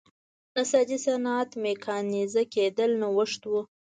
نساجۍ صنعت میکانیزه کېدل نوښت و.